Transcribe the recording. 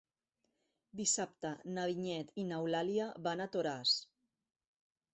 Dissabte na Vinyet i n'Eulàlia van a Toràs.